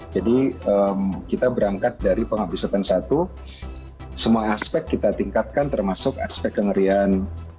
jadi kita berangkat dari penghabisatan satu semua aspek kita tingkatkan termasuk aspek kengerian